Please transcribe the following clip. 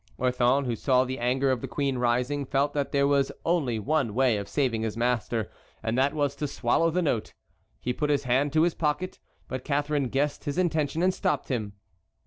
Orthon, who saw the anger of the queen rising, felt that there was only one way of saving his master, and that was to swallow the note. He put his hand to his pocket, but Catharine guessed his intention and stopped him.